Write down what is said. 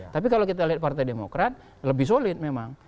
tapi kalau kita lihat partai demokrat lebih solid memang